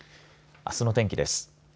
あすの天気です。